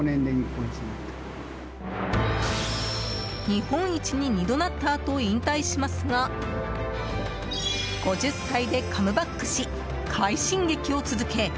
日本一に２度なったあと引退しますが５０歳でカムバックし快進撃を続け